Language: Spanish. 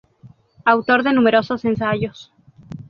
Autor de numerosos ensayos.